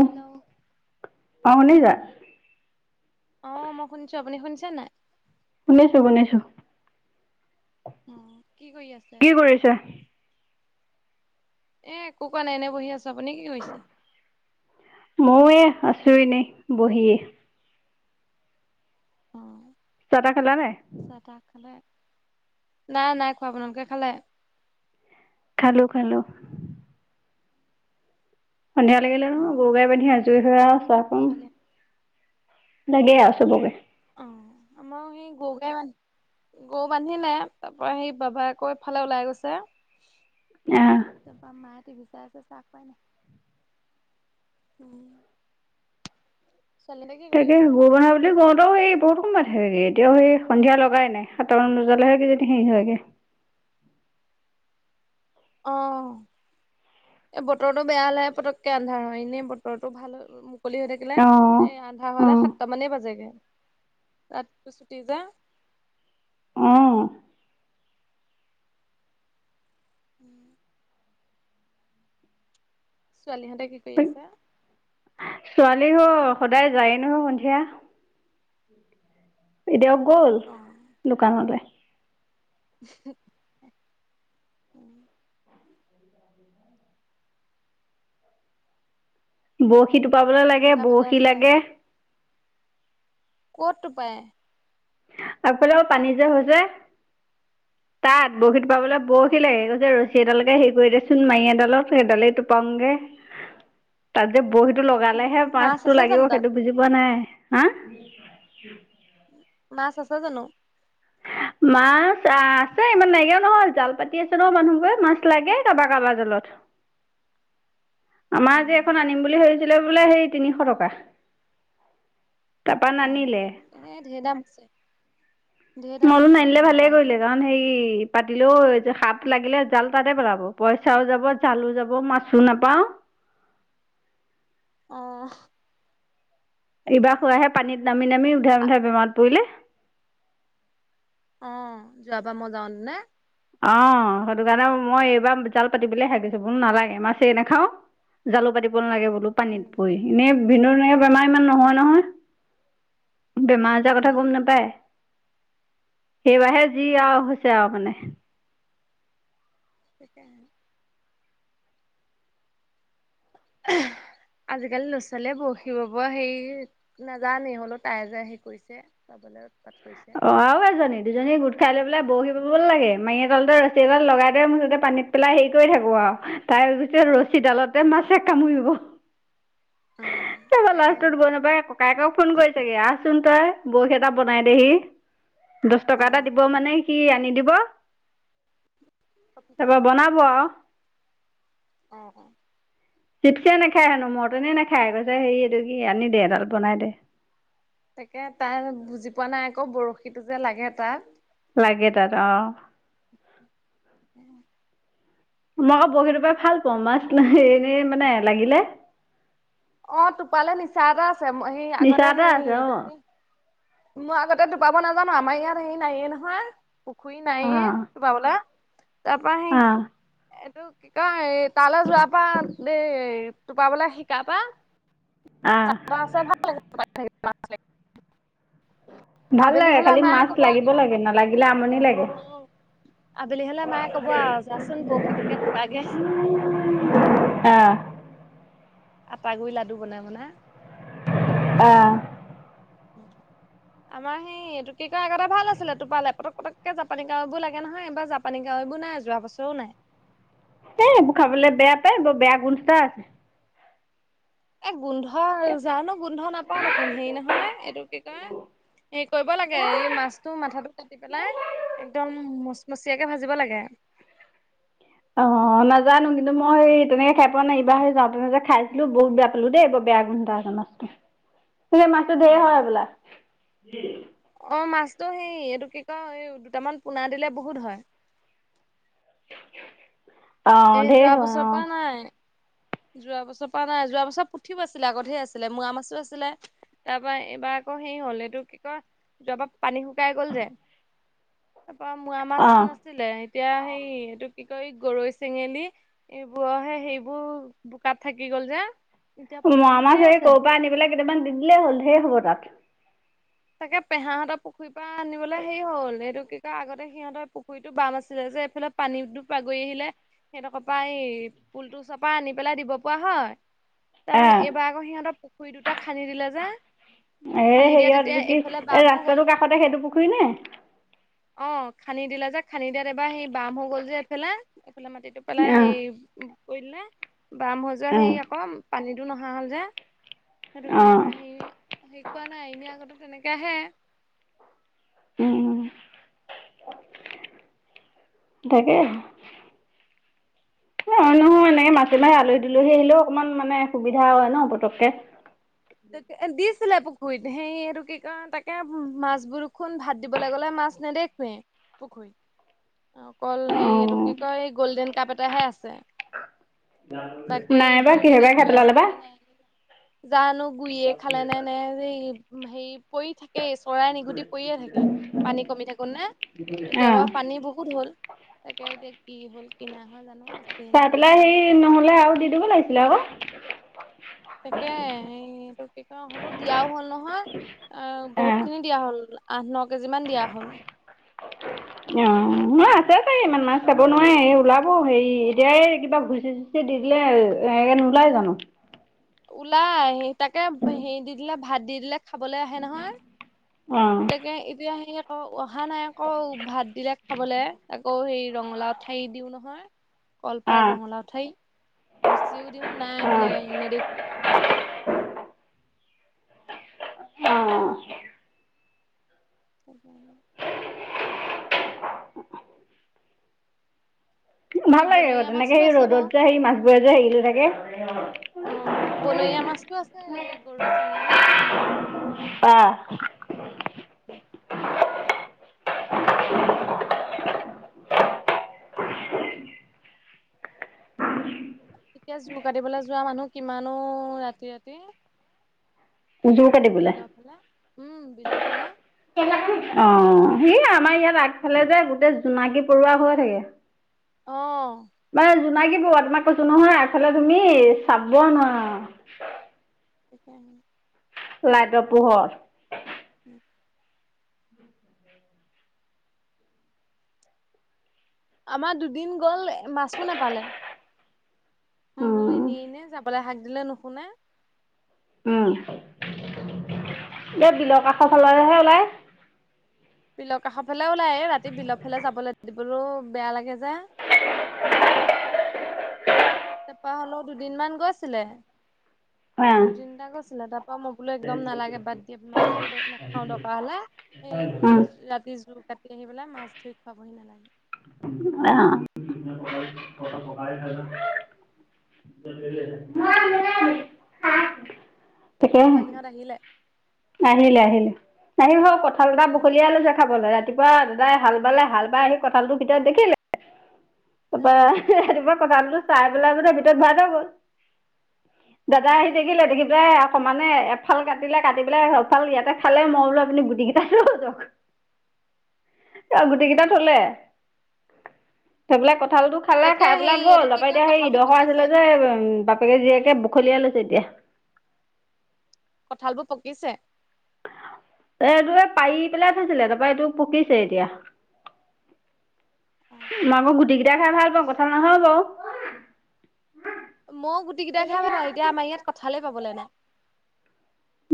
Hello, অ শুনিচা ছা নাই? শুনিছো শুনিছো। উম। কি কৰিছে? এ একো কৰা নাই এনে বহি আছো। আপুনি কি কৰিছে? ময়ো এ আছো এনে, বহি। অ। চাহ তাহ খালা নাই? চাহ তাহ খালে? নাই নাই খোৱা। আপোনালোকে খালে? খালো খালো। সন্ধিয়া লাগিলে ন গৰু গাই বান্ধি আজৰি হৈ আহ চাহ খাম। ছোৱালী লাগে আৰু চবকে। অৱ আমাও সেই গৰুকেইটা গৰু বান্ধিলে। তাৰ পৰা সি বাবাই আকৌ ইফালে ওলাই গৈছে। আহ তাপা মাই বিচাৰ আছে চা [unintelligible] হ পাই ন উম ছোৱালীহঁতে কি কৰি তাকে আছে? গৰু বন্ধাবুলি কওঁতে সেই বহুত [unintelligible] এতিয়া সেই সন্ধিয়া লগাই নাই, সাতটামান বজালে হেৰ হেৰি হয়গে। অৱ। এ বতৰটো বেয়া হ'লে পতককে আন্ধাৰ হয়। এনেই বতৰটো ভাল কলি হৈ থাকিলে অ এ আন্ধা অ হে সাতটা মানেই বাজেগে। ৰাচটি যে [unintelligible] উম'। উম'। ছোৱালীহঁতে কি কৰি আছে? ছোৱালী হ সদায় যায় নহয় সন্ধিয়া। এতিয়া গ'ল, দোকানলৈ। উম'। বৰশী টোপাবলৈ লাগে দেউতা ভালে বৰশী আছে? লাগে। ক'ত টোপায়? আগফালে পানী যে হৈছে, তাত বহীত পাবলৈ বৰখিল অ', লাগে, কৈছে সেইডালকে হেৰি কৰি দেচোন মাৰি এডালক সেইডালেই টোপাওঁগে। তাৰি বহত [unintelligible] টো লগালেহে মাছ মাছতটো আছে লাগিব জানো তাত? সেইটো বুজি পোৱা নাই। হা? মাছ আছা জানো? মাছ আহ, আছে ইমান নাইকিয়াও নহয় জাল পাতি আছে ন মানুহবোৰে মাছ লাগে কাৰোবাৰ-কাৰোবাৰ জালত। [unintelligible] [unintelligible] আমাৰ আজি এখন অ', আনিম বুলি ভাবিছিলে বোলে হেৰি তিনিশ টকা। তাৰপৰা অ', নানিলে এ ঢেৰ দাম আছে। ঢেৰ মই দাম বোলো আছে নানিলে সেই ভালে কৰিলে জালবোৰ। কাৰণ সেই পাতিলেও সাপ লাগিলে জাল তাতে পেলাব পইচাও যাব, জালো যাব, মাছো নাপাওঁ। অ'। তাকে ইবাৰ খুৰাই সেই পানীত নামি-নামি উধাই মোধাই বেমাৰত পৰিলে। অ', যোৱাবাৰ মই যাওঁতে নে? অ', সেইটো কাৰণে মই এইবাৰ জাল পাতিবলৈ শাক দিছোঁ বোলো নালাগে মাছে নাখাও। জালু পাতিব নালাগে বোলো লো পানীত পৰি এনে ভিনিয়ৰ তেনেকে বেমাৰ ইমান নহয় নহয়। বেমাৰ আজাৰ কথা গম নাপায়? সেইবাৰে যি আৰু হৈছে আৰু মানে। তাকেহে [unintelligible] আজিকালি ল'ৰা ছোৱালীয়ে বৰশি বব হেৰি নাজানেই হলেও তাই যে হেৰি কৰিছে। [unintelligible] অ', আৰু এজনী দুজনীয়ে গোট খাই লৈ পেলাই বৰশী বাব লাগে মাৰি এডালতে ৰছী এডাল লগাই দে মই মুঠতে পানীত পেলাই হেৰি কৰি থাকো আৰু ত তাই গোতে ৰছীডালতে মাছে কামুৰিব। অ', তাৰপাছত তাকে লাষ্টত গৈ নাপায় ককায়েকক ফোন কৰি চাগে আহচোন তই। বৰশী এটা বনাই দেহি। দহ টকা এটা অ', দিব মানে সি আনি দিব। তাৰপৰা বনাব আৰু অ'- অ '। চিপচে নাখায় হেনো মটনে নাখায় কৈছে হেৰি এইটো কি আনি দে এডাল বনাই দে। তাকে তাৰ বুজি পোৱা নাই আকৌ বৰশীটো যে লাগে তাত। লাগে তাত অ'। মই বৰশী টোপাই ভাল পাওঁ, মাছ এনেই মানে লাগিলে। অ', টোপালে নিচা এটা আছে। সেই নিচা আগতে এটা সেই আছে এটো কি? মই আগতে টোপাব নাজানো আমাৰ ইয়াত হেৰি নাইয়ে নহয়। পুখুৰি অ নাইয়ে টোপাবলে। তাৰপা সি অ অ এইটো কি কয়, এই তালৈ যোৱাৰ পৰা দেই টোপাবলে শিকাৰ পৰা। [unintelligible] আহ ভাল আবেলি লাগে হ'লে খালি মায়ে মাছ কব লাগিব লাগে নালাগিলে আমনি লাগে। অ আবেলি হলে মায়ে কব আৰু যাচোন বৰশী টোকে থোপাগে। আহ। আটা গুৰি লাডু বনাই বনাই আহ। অ। আমাৰ সেই এইটো কি কৰা আগতে ভাল আছিলে টোপালে পটক পটককে জাপানী কাৱৈবোৰ লাগে নহয় এইবাৰ জাপানী কাৱৈ সেইবোৰ নাই যোৱা বছৰো নাই। এ খাবলৈ বেয়া পায় ব বেয়া গুণ এটা আছে। এ গোন্ধ জানো গোন্ধ নাপাও দেখোন হেৰি নহয় এইটো কি কয়? এই কৰিব লাগে এই মাছটো মাথাটো কাটি পেলাই একদম মচমচিয়াকে ভাজিব লাগে। অ নাজানো কিন্তু মই সেই তেনেকে খাই পোৱা নাই এইবাৰ সে যাওঁ তেনে খাইছিলো বহুত বেয়া পালো দেই ব বেয়া গোন্ধ এটা মস্ত। [inaudible] তে মাছটো ঢেৰ হয় হবলা? তো, সেই এইটো কি ক এই দুটামান পোনা দিলে বহুত হয়। অ এই ঢেৰ যোৱা হয় বছৰ অ পৰা নাই। যোৱা বছৰ পৰা নাই। যোৱা বছৰ পুঠিও আছিলে, আগতেহে আছিলে মুৱা মাছো আছিলে। তাৰ পৰা এইবাৰ আকৌ সেই হ'ল এইটো কি কয় যোৱাৰ পৰা পানী শুকাই গল যে। তাৰ পৰা মোৱা মাছ অ নাছিলে। এতিয়া সেই এইটো কি কয় গৰৈ চেঙেলী এইবোৰৰহে সেইবোৰ বোকাত থাকি গল যে। এতিয়া মোৱা পোনাবোৰ মাছ ঢেৰ হেৰি আছে ক'ৰ পৰা আনি পেলাই কেইটামান দি দিলেই হ'ল ঢেৰ হ'ব তাত। তাকে পেহাহঁতৰ পুখুৰীৰ পৰা আনিবলৈ হেৰি হ'ল। সেইটো কি কয়, আগতে সিহঁতৰ পুখুৰীটো বাম আছিলে যে, এইফালে পানী দু বাগৰি আহিলে। সেইটো পৰা এই পুলটো চপা আনি পেলাই দিব পৰা হয়। তাৰ পৰা আহ এইবাৰ আকৌ সিহঁতৰ পুখুৰী দুটা খান্দি দিলে যে, এ খান্দি দিয়া তেতিয়া হেৰিয়ত কি এইফালে বাম এই হৈ গ'ল ৰাস্তাটোৰ কাষতে সেইটো পুখুৰী নে? অ, খান্দি দিলা যে, খান্দি দিয়াত এবাৰ সেই বাম হৈ গল যে এইফালে। ফে মাটিটো পেলাই আহ হেৰি কৰিলে বাম হৈ যোৱাত অ হে আকৌ পানীত টো নহা হ'ল যে সেইটো অ কাৰণে এইবাৰ হেৰি হেৰি কোৱা নাই। এনে আগতে তেনেকে হে উম। তাকে। অ, নহয় এনেকে মাজে মাৰি আলহী দিলোহি আহিলেও অকমান মানে সুবিধা হয় ন পতককে। দি আঁকে দিছ ছিলে পুখুৰীত। সেই এইটো কি কাৰ তাকে মাছবোৰ দেখোন ভাত দিবলৈ গ'লে মাছ নেদেখোৱে। পুখুৰী, অকল অ হেৰি এইটো কি কয় এই গল্ডেন কাপ এটাহে আছে। অ। বাকী এইবোৰ নেদেখুৱে আছে নে নাই? জানো গুৰি খালে নে নে হেৰি পৰি থাকে। চৰাই নিঘুটি পৰিয়ে থাকে পানী কমি থাকো নে? অ এতিয়াবা পানী বহুত হ'ল। তাকে এতিয়া কি হল কিনা হল জানো আছে চাই নে নাই পেলাই নে? সেই নহলে আৰু দি দিব লাগিছিলে আকৌ। তাকে। কি হলেও দিয়াও হল নহয়, আহ অ বহুত খিনি দিয়া হল আনক যিমান দিয়া হ'ল অ, মই আছে তাই ইমান মাছ চাব নোৱাৰি। ওলাব হেৰি এতিয়াই কিবা ঘুচি-চুচি দি দিলে এনেকে নোলাই জানো। ওলাই তাকে হেৰি দি দিলে ভাত দি দিলে খাবলৈ আহে নহয়। অ তাকে এতিয়া আহি অহা নাই আকৌ ভাত দিলে খাবলে। আকৌ, সেই ৰঙালাওঠাৰি দিও নহয়। অ কলপাত ৰঙালাও ঠাই ভুচিও দিওঁ না মানে অ নেদেখ। [unintelligible] [inaudible] অ। চকাৰ। [unintelligible] এই ভাল লাগে বাৰু, বনৰীয়া মাছটো তেনেকে সেই আছে বাৰু ৰ'দত যে সেই মাছবোৰে যে হেৰি লৈ থাকে। অ, বনৰীয়া মাছতো আছে এই গৰৈ চেঙেলী। আহ। উম। এতিয়া জোৰ কাটিবলৈ যোৱা মানুহ কিমানো ৰাতি-ৰাতি। উ যোৰ কাটিবোলে। [unintelligible] উম বিলৰ ফালে। অ সি আমাৰ ইয়াত আগফালে যে গোটেই জোনাকী পৰুৱা হৈ থাকে। অ। মানে জোনাকী পৰুৱা তোমাক কৈছোঁ নহয় আগফালে তুমি চাবলৈ নোৱাৰা। সেইকাৰণে। লাইটৰ পোহৰ। [inaudible] আমাৰ দুদিন গ'ল মাছো নাপালে। বোলো উম, এনেই এনেই যাবলৈ হাক দিলে নুশুনে। [unintelligible] উম এ বিলৰ কাষৰ ফালেহে ওলাই। বিলৰ কাষৰ ফালে ওলায় ৰাতি বিলৰ ফালে যাবলৈ দিবলৈ বেয়া লাগে যে। তাৰপৰা হ'লেও দুদিন মান গৈছিলে। অ', দুই তিনটা গৈছিলে তাৰপৰা মই বোলো, একদম নালাগে বাদ দিয়া মাছেই নাখাওঁ দৰকাৰ হ'লে। সেই তুমি উম, ৰাতি জোৰ কাটি আহি পেলাই মাছ ধুই খুৱাবহি নালাগে। [unintelligible] অ। অ মোবাইল থৈ যা। নহয় মোৰে হ'য়। ছোৱালীহত আহিলে। আহিলে আহিলে আহিব কঁঠাল এটা বুখলিয়াই লৈছে [unintelligible] খাবলৈ ৰাতিপুৱা দাদাই হাল বালে, হাল বাই আনি কঁঠালটোৰ ভিতৰত দেখিলে। উম তাৰপৰা কঁঠালটো চাই পেলাই গোটেই ভিতৰত ভৰাই থৈ গ'ল। দাদা অ আহি দেখিলে দেখি পেলাই সমানে এফাল কাটিলে কাটি। বোলে সফাল ইয়াতে খালে মই বোলো আপুনি গুটি গিটা লৈ যাক। [unintelligible] আৰু গোটেই কেইটা থলে থৈ পেলাই কঁঠাল। কঁঠালটো খালে তাকে খাই পেলাই সেই এইটো গ'ল। কি তাৰাপৰা কয় এতিয়া সেই কঁঠালবোৰ ইডশৰ পকিছে আছিলে যে বাপেকে জীয়েকে বুখলিয়াই লৈছে। [unintelligible] তেতিয়া। কঁঠালবোৰ পকিছে। এ এইটো এই পাৰি পেলাই থৈছিলে তাৰপৰাএইটো পকিছে এতিয়া। মই আকৌ গুটি গিটা খাই ভাল পাওঁ। কঁঠাল নাখাওঁ বাৰু। মইও গুটি গিটাই খাই ভাল পাওঁ। এতিয়া আমাৰ ইয়াত কঁঠাল পাবলৈ নাই।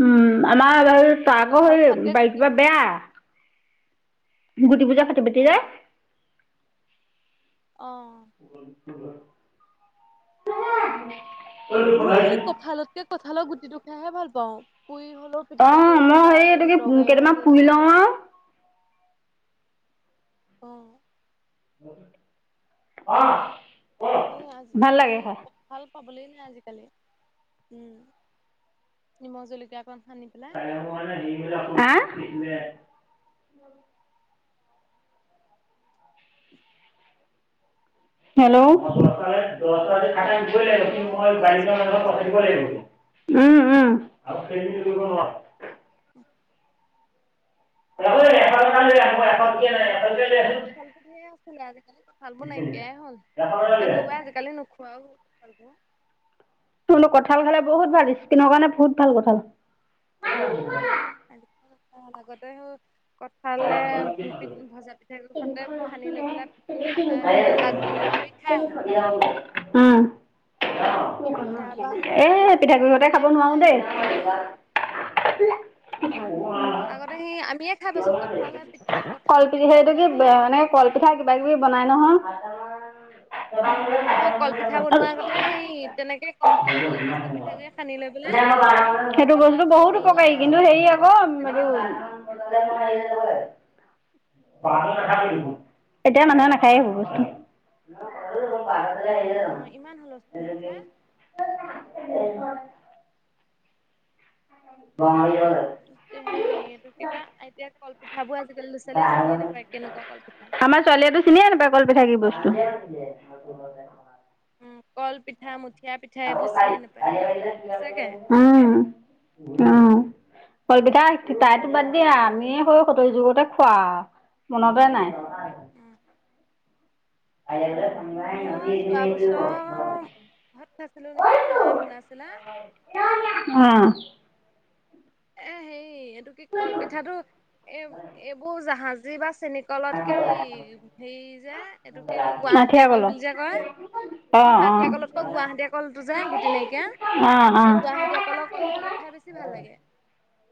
উম আমাৰ হেৰি আকৌ কঁঠাল খোৱাতকে হ'ল বাৰী কিবা গুটিবোৰহে বেয়া। গুটিবোজে ফাতি ফাতি অ যাই। [unintelligible] অ। অ মা [unintelligible] মৌ [unintelligible] সেই কঁঠালতকে কঁঠালৰ গুটিটো খাইহে ভাল পাওঁ। পুৰি হলেও পিটিকা অঁ কৰি হলেও মই বা এইটো হেৰি কি তৰকাৰী কেইটামান ভাজিয়ে পুৰি দি লওঁ হলেও। আৰু আহ্ অ সেই আজি কালি কঁঠাল পাবলৈ নাই। আজিকালি উম নিমখ জলকীয়া অকণ সানি পেলাই [unintelligible] হেল্ল'অ [unintelligible] অ উম শুনি আছো আপুনি শুনিছে নাই আৰু হেৰি কৰিব নোৱাৰোঁ। হ'লেও এবাৰ আগত উম আগতে কঁঠাল ঢেৰ আছিলে আজি কালি কঁঠালবোৰ নাইকিয়াই হ'ল। মানুহবোৰে আজি কালি নখোৱাও হ'ল। তো কঁঠাল খালে বহুত ভাল স্কিনৰ কাৰণে বহুত ভাল কঁঠাল। উম আজি কালি কঁঠাল হ'ল আগতে হ'ল কঁঠালে ভজা পিঠা গুৰি হতে তিনিখন খান্দি লৈ আছিলে পেলাই হেৰি লাডু। উম তাৰপা আকৌ [unintelligible] এ কঁঠালৰ পিঠাগুৰি পিঠা হঁতে খাব বনাই নোৱাৰো খায় দেই [inaudible] আজিকালি অ আগতে সেই [unintelligible] [unintelligible] কলপিঠা সেইটো কি এনেকে কলপিঠা কিবা [unintelligible] কিবি বনাই নহয়। অ কলপিঠা বনোৱাৰ আগতে সেই তেনেকে কঠাল কেঁচা পিঠা খানদি লৈ পিনে [unintelligible] সেইটো বস্তু বহুত উপকাৰী কিন্তু হেৰি আকৌ পেলাই সেই তেনেকে খায় এইটো [unintelligible] [unintelligible] এতিয়া মানুহে নাখায় সেইবোৰ বস্তু [inaudible] অ ইমান হুলস্থুল হৈছে [unintelligible] [unintelligible] সেইটোকা এতিয়া ক [unintelligible] কলপিঠা আমাৰ ছোৱালীয়েটো চিনিয়ে নাপায় কলপিঠা কি বস্তু [unintelligible] উম কলপিঠা, মুঠিয়া পিঠা এইবোৰ চিনি নাপায় সচাকে অহ কলপিঠা তাইতো বাদ দিয়া আমিয়ে সৰু যুগতে খোৱা মনতেই নাই [unintelligible] মই যোৱা বছৰ [unintelligible] ঘৰত খাইছিলো নেকি মায়ে বনাইছিলা আহ এ হে এইটো কি কলপিঠাতটো এ এইবোৰ জাহাজী বা চেনী কলতকেই হেৰি যে এইটো কি কয় গুৱাহাটীয়া আঠিয়া কল কলৰ বুলি যে কয় অ', অ'। অ', নহয় আঠিয়া অ'। কলত ক গুৱাহাটীয়া কলটো যে গুটি নাইকিয়া অ', এ অ'। গুৱাহাটীয়া কলৰ কলপিঠাটো খাই বেছি ভাল লাগে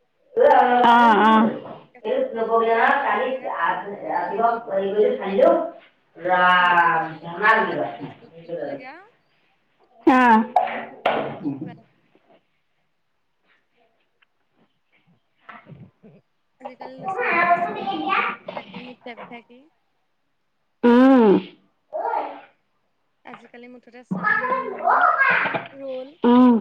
অ কেঁচা পিঠাগুৰি সতে একদম অ ধুনীয়াকে সানিব লাগে সানি লৈ [unintelligible] [unintelligible] সেই ক'ব লাগা দিব লগা দি লৈ দিব লাগে আৰু [unintelligible] [inaudible] [unintelligible] আজিকালি ল'ৰা ছোৱালী এই‌বোৰ চিনি [inaudible] উম [inaudible] আজিকালি মুঠতে চাওমিন মম' ৰল [inaudible] উম। উম।